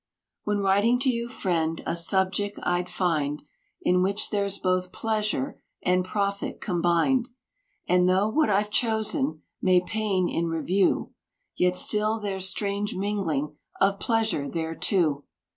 When writing to you, friend, a subject I'd find In which there's both pleasure and profit combined, And though what I've chosen may pain in review, Yet still there's strange mingling of pleasure there too.